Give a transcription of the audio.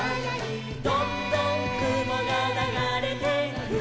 「どんどんくもがながれてく」「」